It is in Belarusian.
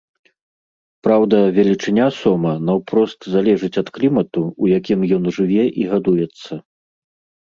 Праўда, велічыня сома наўпрост залежыць ад клімату, у якім ён жыве і гадуецца.